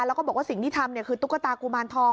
แล้วก็บอกว่าสิ่งที่ทำคือตุ๊กตากุมารทอง